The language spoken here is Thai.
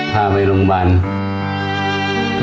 พาไปโรงกาแฟ